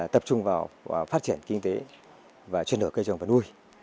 tập trung vào phát triển kinh tế và chuyên hợp cây trồng và nuôi